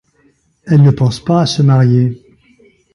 Elle ne pense pas à se marier.